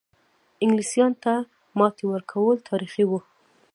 انګلیستان ته ماتې ورکول تاریخي وه.